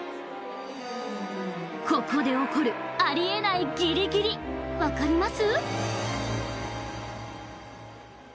ここで起こるあり得ないギリギリ分かります？